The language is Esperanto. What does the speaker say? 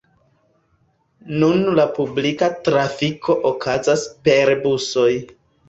Nun la publika trafiko okazas per busoj.